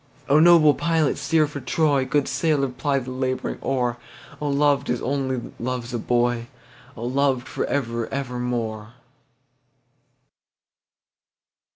O noble pilot steer for Troy, Good sailor ply the labouring oar,O loved as only loves a boy!O loved for ever evermore!